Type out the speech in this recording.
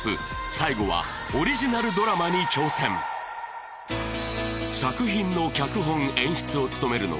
最後はオリジナルドラマに挑戦作品の脚本演出を務めるのは